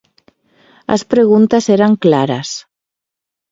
As preguntas eran claras.